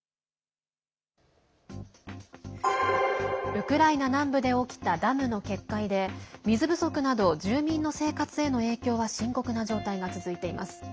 ウクライナ南部で起きたダムの決壊で水不足など住民の生活への影響は深刻な状態が続いています。